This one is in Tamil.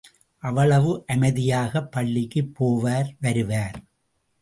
அவ்வளவு அமைதியாகப் பள்ளிக்குப் போவார், வருவார்.